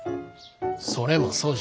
それもそうじゃ。